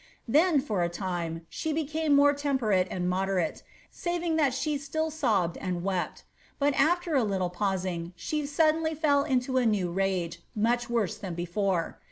Then, for a time, she became more temperate and motlerate. saving that she still sobbed and we])t ; but aller a little pausing, she suddenly fell into a nev rage^ much worse than before.